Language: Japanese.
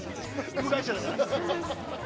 ◆部外者だから。